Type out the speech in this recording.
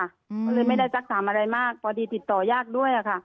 ก็เลยไม่ได้สักถามอะไรมากพอดีติดต่อยากด้วยค่ะ